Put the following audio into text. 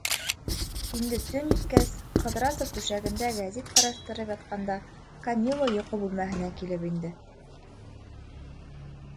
Инде төн еткәс, Ҡыҙрасов түшәгендә гәзит ҡараштырып ятҡанда, Камилла йоҡо бүлмәһенә килеп инде.